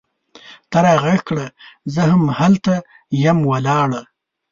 ته را ږغ کړه! زه هم هلته یم ولاړه